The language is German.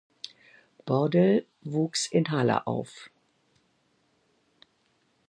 Bordel wuchs in Halle auf.